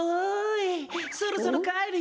そろそろかえるよ！